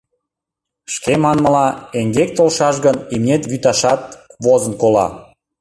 Шке манмыла, эҥгек толшаш гын, имнет вӱташат возын кола.